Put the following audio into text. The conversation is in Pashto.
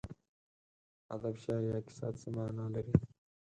ادب، شعر یا کیسه څه مانا لري.